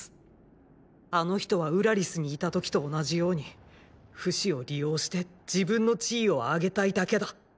あの人はウラリスにいた時と同じようにフシを利用して自分の地位を上げたいだけだ。